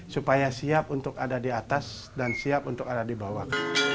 supaya siap untuk ada di atas dan siap untuk ada di bawah